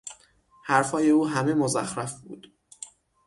حرفهای او همه مزخرف بود.